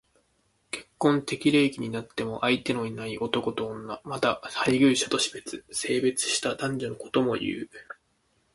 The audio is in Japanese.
結婚適齢期になっても相手のいない男と女。また、配偶者と死別、生別した男女のことも言う。